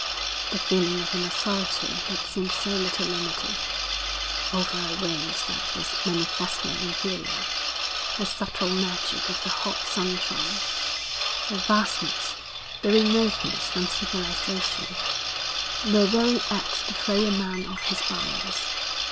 The feeling of an authority that seemed so little limited, over a race that was manifestly inferior, the subtle magic of the hot sunshine, the vastness, the remoteness from civilisation, were very apt to throw a man off his balance.